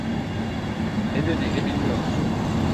Ne dediğini bilmiyorsun.